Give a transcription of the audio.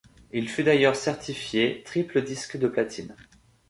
Il fut d'ailleurs certifié Triple Disque de Platine.